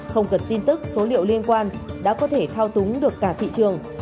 không cần tin tức số liệu liên quan đã có thể thao túng được cả thị trường